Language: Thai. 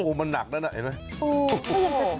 อุ้มมันหนักแล้วนะเห็นไหม